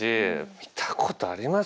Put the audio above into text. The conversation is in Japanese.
見たことあります？